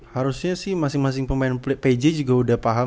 harusnya sih masing masing pemain pj juga udah paham